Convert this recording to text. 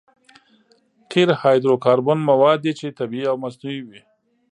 قیر هایدرو کاربن مواد دي چې طبیعي او مصنوعي وي